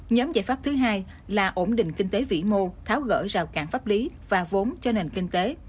nhóm giải pháp thứ hai là ổn định kinh tế vĩ mô tháo gỡ rào cản pháp lý và vốn cho nền kinh tế